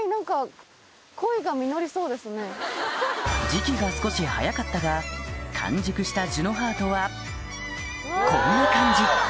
時期が少し早かったが完熟したジュノハートはこんな感じ